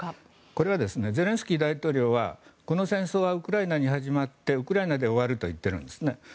これはゼレンスキー大統領はこの戦争はウクライナに始まってウクライナで終わると言っているんです。